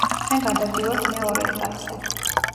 ჩვენ გადავდივართ მეორე ეტაპზე.